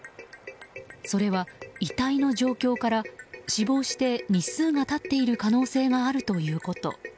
それは遺体の状況から死亡して日数が経っている可能性があるということ。